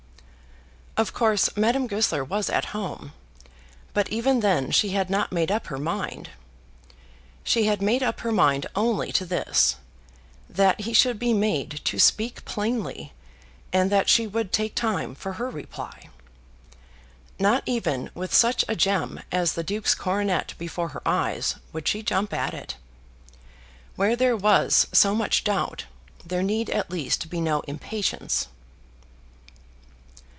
Of course Madame Goesler was at home. But even then she had not made up her mind. She had made up her mind only to this, that he should be made to speak plainly, and that she would take time for her reply. Not even with such a gem as the Duke's coronet before her eyes, would she jump at it. Where there was so much doubt, there need at least be no impatience.